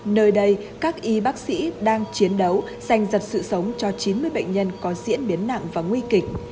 nơi đây các y bác sĩ đang chiến đấu dành giật sự sống cho chín mươi bệnh nhân có diễn biến nặng và nguy kịch